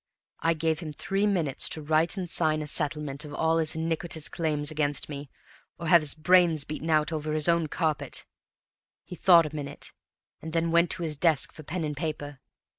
I gave him three minutes to write and sign a settlement of all his iniquitous claims against me, or have his brains beaten out over his own carpet. He thought a minute, and then went to his desk for pen and paper.